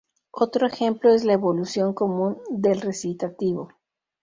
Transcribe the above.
Otro ejemplo es la evolución común del recitativo.